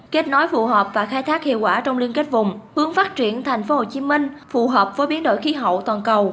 kết nối phù hợp và khai thác hiệu quả trong liên kết vùng hướng phát triển thành phố hồ chí minh phù hợp với biến đổi khí hậu toàn cầu